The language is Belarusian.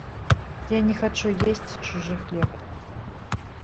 Я не хачу есці чужы хлеб.